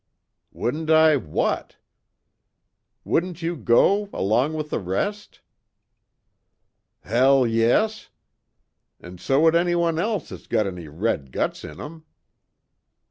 "Wouldn't I what?" "Wouldn't you go along with the rest?" "Hell yes! An' so would anyone else that had any red guts in 'em!"